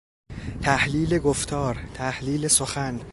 تحلیل گفتار، تحلیل سخن